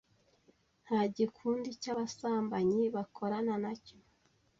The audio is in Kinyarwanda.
Nta gikundi cy’abasambanyi bakorana nacyo